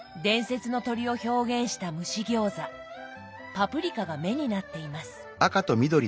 パプリカが眼になっています。